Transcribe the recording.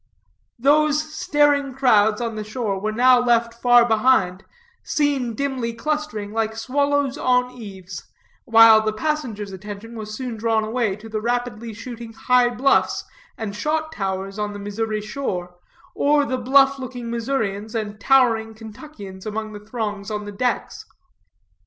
Those staring crowds on the shore were now left far behind, seen dimly clustering like swallows on eaves; while the passengers' attention was soon drawn away to the rapidly shooting high bluffs and shot towers on the Missouri shore, or the bluff looking Missourians and towering Kentuckians among the throngs on the decks.